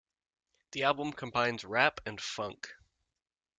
The album combines rap and funk.